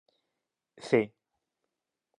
Ce